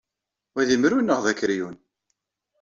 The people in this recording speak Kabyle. Wa d imru neɣ d akeryun?